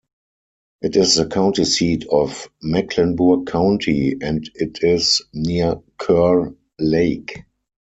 It is the county seat of Mecklenburg County, and it is near Kerr Lake.